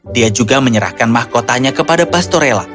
dia juga menyerahkan mahkotanya kepada pastorella